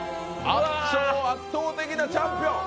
圧勝、圧倒的なチャンピオン。